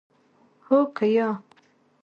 هو که یا ؟